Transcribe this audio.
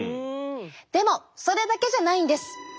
でもそれだけじゃないんです。